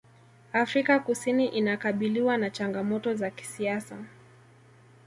afrika kusini inakabiliwa na changamoto za kisiasa